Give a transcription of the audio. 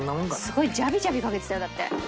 すごいジャビジャビかけてたよだって。